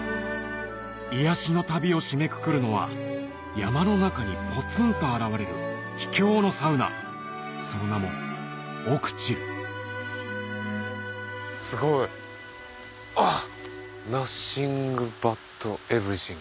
癒しの旅を締めくくるのは山の中にポツンと現れる秘境のサウナその名もすごいあっ！